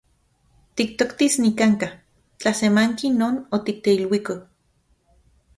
Tiktoktis nikan’ka tlasemanki non otikteluiko.